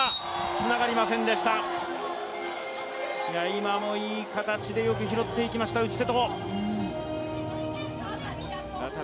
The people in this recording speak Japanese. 今もいい形でよく拾っていきました、内瀬戸。